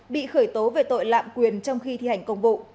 bị khởi tố về tội lạm quyền trong khi thi hành công vụ